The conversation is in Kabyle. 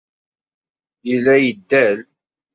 Yella yeddal.